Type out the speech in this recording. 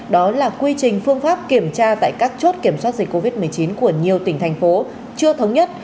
đó là quy trình phương pháp kiểm tra tại các chốt kiểm soát dịch covid một mươi chín của nhiều tỉnh thành phố chưa thống nhất